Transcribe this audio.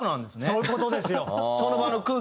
そういう事ですよ。